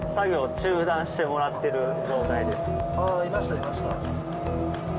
いましたいました。